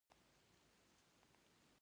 د سپينې ماڼۍ نه خو يې راوباسمه.